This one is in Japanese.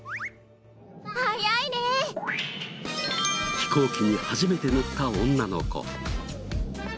飛行機に初めて乗った女の子。